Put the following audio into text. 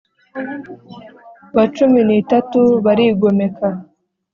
wa cumi n itatu barigomeka